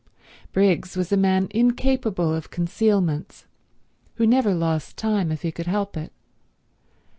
Briggs was a man incapable of concealments, who never lost time if he could help it.